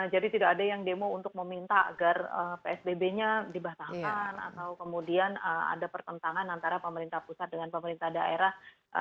jadi tidak ada yang demo untuk meminta agar psbb nya dibatalkan atau kemudian ada pertentangan antara pemerintah pusat dengan pemerintah daerah